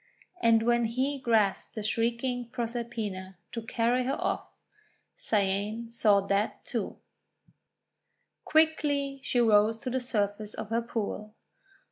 And when he grasped the shrieking Proserpina to carry her off, Cyane saw that too. Quickly she rose to the surface of her pool.